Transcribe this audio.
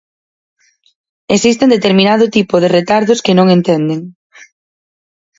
Existen determinado tipo de retardos que non entenden.